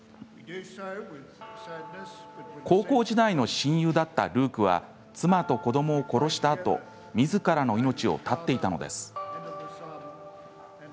高校時代の親友だったルークは妻と子どもを殺したあとみずからの命を絶っていたのです。